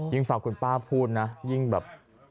ยิ่งฝากคุณป๊าพูดนะยิ่งแบบ